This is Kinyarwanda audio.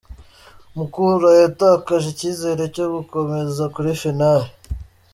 Mukura yatakaje icyizere cyo gukomeza kuri finali